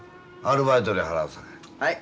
アルバイト料払うさかい。